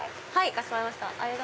かしこまりました。